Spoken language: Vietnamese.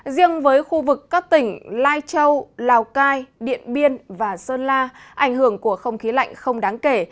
riêng với khu vực các tỉnh lai châu lào cai điện biên và sơn la ảnh hưởng của không khí lạnh không đáng kể